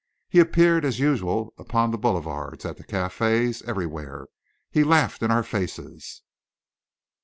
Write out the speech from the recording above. He appeared as usual upon the boulevards, at the cafés, everywhere. He laughed in our faces.